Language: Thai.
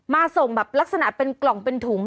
ส่งแบบลักษณะเป็นกล่องเป็นถุง